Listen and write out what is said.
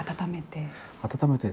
温めて。